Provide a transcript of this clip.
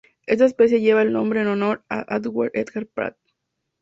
Esta especie lleva el nombre en honor a Antwerp Edgar Pratt.